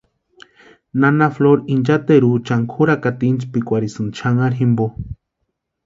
Nana Flora incheteruchani kʼúrakata intspikwarhisïnti xanharhu jimpo.